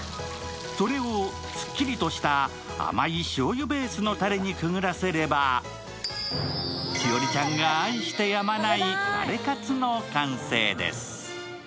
それをすっきりとした甘いしょうゆベースのたれにくぐらせれば栞里ちゃんが愛してやまないタレカツの完成です。